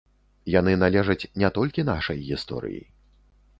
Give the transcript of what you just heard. Яны належаць не толькі нашай гісторыі.